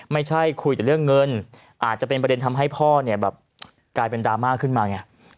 ไม่ใช่คุยแต่เรื่องเงินอาจจะเป็นประเด็นทำให้พ่อเนี่ยแบบกลายเป็นดราม่าขึ้นมาไง